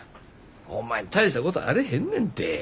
ホンマに大したことあれへんねんて。